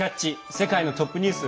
世界のトップニュース」。